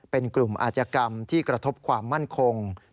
เป็นกลุ่มอาจกรรมที่กระทบความมั่นคง